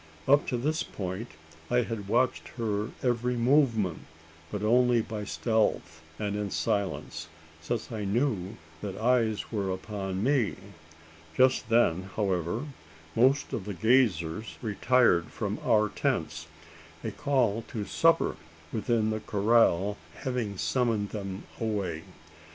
Up to this point, I had watched her every movement. But only by stealth and in silence: since I knew that eyes were upon me. Just then, however, most of the gazers retired from our tents a call to supper within the corral having summoned them away.